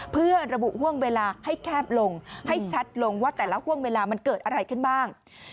เพื่อระบุห่วงเวลาให้แคบลงให้ชัดลงว่าแต่ละห่วงเวลามันเกิดอะไรขึ้นบ้าง